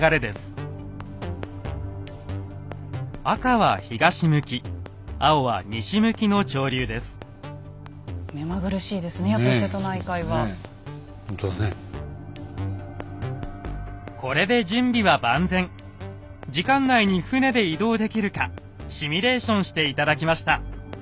時間内に船で移動できるかシミュレーションして頂きました。